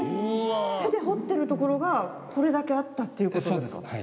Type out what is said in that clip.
手で掘ってるところがこれだけあったっていうことですか。